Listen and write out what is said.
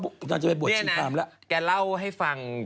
กระเทยเก่งกว่าเออแสดงความเป็นเจ้าข้าว